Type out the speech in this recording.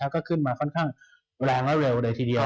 ก็ขึ้นมาค่อนข้างแรงและเร็วเลยทีเดียว